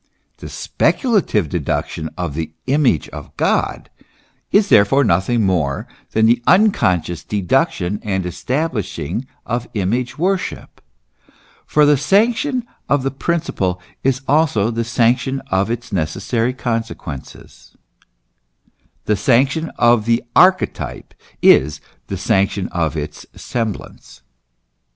The speculative deduction of the Image of God is therefore nothing more than an unconscious deduction and establishing of image worship : for the sanction of the principle is also the sanction of its necessary consequences ; the sanction of the archetype is the sanction of its semblance.